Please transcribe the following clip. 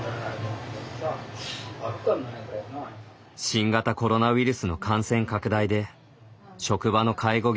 新型コロナウイルスの感染拡大で職場の介護